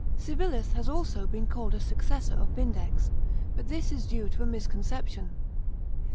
Civilis has also been called a successor of Vindex, but this is due to a misconception.